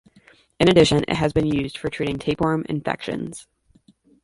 In addition it has been used for treating tapeworm infections.